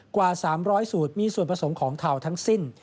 กว่า๓๐๐สูตรมีส่วนผสมของเทาทั้งสิ้น